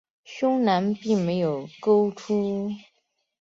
胸篮并没有钩突。